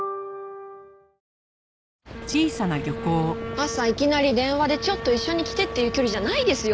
朝いきなり電話で「ちょっと一緒に来て」っていう距離じゃないですよ